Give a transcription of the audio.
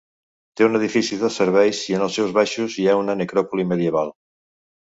Té un edifici de serveis i en els seus baixos hi ha una necròpoli medieval.